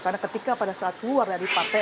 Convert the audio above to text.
karena ketika pada saat keluar dari partai